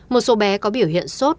một số bé có biểu hiện sốt